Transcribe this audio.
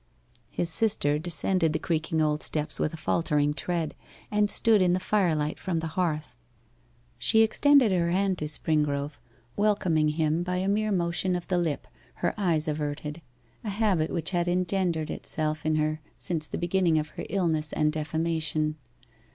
His sister descended the creaking old steps with a faltering tread, and stood in the firelight from the hearth. She extended her hand to Springrove, welcoming him by a mere motion of the lip, her eyes averted a habit which had engendered itself in her since the beginning of her illness and defamation.